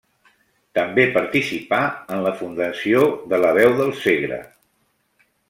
També participà en la fundació de La Veu del Segre.